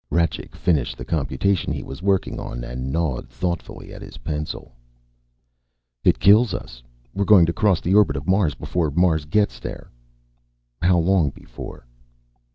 Rajcik finished the computation he was working on and gnawed thoughtfully at his pencil. "It kills us. We're going to cross the orbit of Mars before Mars gets there." "How long before?"